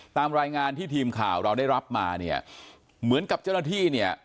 ตามรายงานที่ทีมข่าวเราได้รับมาเนี่ยเหมือนกับเจ้าหน้าที่เนี่ย